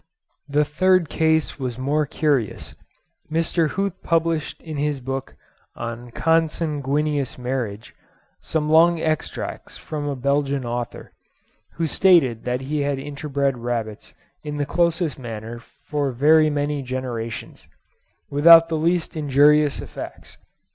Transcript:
The third case was more curious: Mr. Huth published in his book on 'Consanguineous Marriage' some long extracts from a Belgian author, who stated that he had interbred rabbits in the closest manner for very many generations, without the least injurious effects.